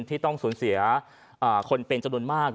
ที่ต้องสูญเสียคนเป็นจำนวนมาก